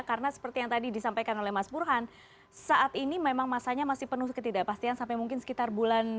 karena seperti yang tadi disampaikan oleh mas burhan saat ini memang masanya masih penuh ketidakpastian sampai mungkin sekitar bulan